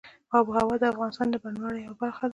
آب وهوا د افغانستان د بڼوالۍ یوه برخه ده.